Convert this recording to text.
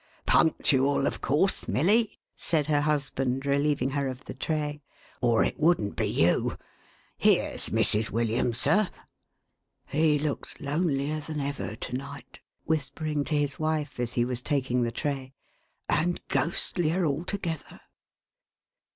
" Punctual, of course, Milly," said her husband, relieving her of the tray, "or it wouldn't be you. Here's Mrs, MILLY AND THE OLD MAN. 427 William, sir! — He looks lonelier than ever to night," whispering to his wife, as he was taking the tray, "and ghostlier altogether.